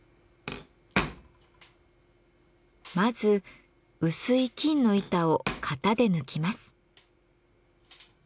まず薄い金の板を型で抜きます。